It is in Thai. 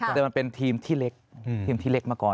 แต่มันเป็นทีมที่เล็กทีมที่เล็กมาก่อน